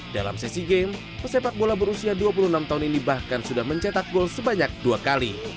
dalam sesi game pesepak bola berusia dua puluh enam tahun ini bahkan sudah mencetak gol sebanyak dua kali